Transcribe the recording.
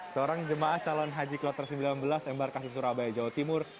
seorang jemaah calon haji kloter sembilan belas embarkasi surabaya jawa timur